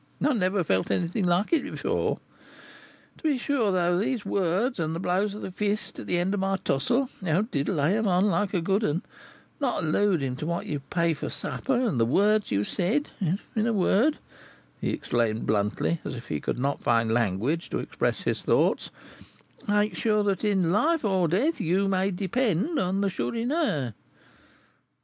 I never felt anything like it before. Be sure, though, that these words, and the blows of the fist at the end of my tussle, you did lay 'em on like a good 'un, not alluding to what you pay for the supper, and the words you have said in a word," he exclaimed, bluntly, as if he could not find language to express his thoughts, "make sure that in life or death you may depend on the Chourineur."